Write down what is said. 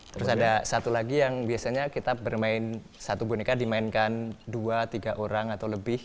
terus ada satu lagi yang biasanya kita bermain satu boneka dimainkan dua tiga orang atau lebih